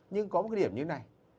nhưng có một cái điểm như thế này